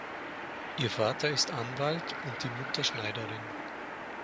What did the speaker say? Ihr Vater ist Anwalt und die Mutter Schneiderin.